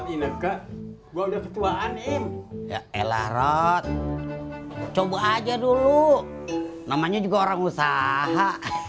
ini enggak gua udah ketua aning ya elah rot coba aja dulu namanya juga orang usaha